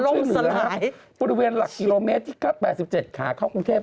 ปรุงรับบริเวณหลักกิโลเมตรที่๘๗ขาข้อคุงเทพฯ